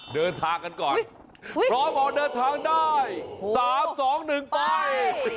เดินทางกันก่อนเพราะพอเดินทางได้๓๒๑ไป